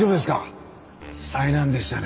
災難でしたね。